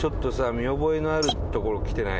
見覚えのあるところ来てない？